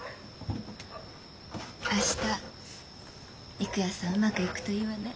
明日郁弥さんうまくいくといいわね。